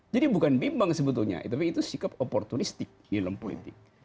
jadi bukan bimbang sebetulnya tapi itu sikap oportunistik di dalam politik